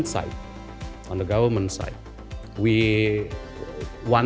karena kami sedang menjadikan jalan